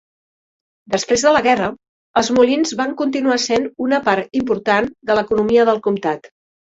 Després de la guerra, els molins van continuar sent una part important de l'economia del comtat.